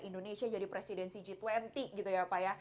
indonesia jadi presidensi g dua puluh gitu ya pak ya